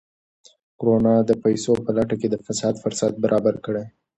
کرونا د پیسو په لټه کې د فساد فرصت برابر کړی.